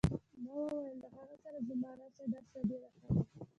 ما وویل له هغې سره زما راشه درشه ډېره ښه ده.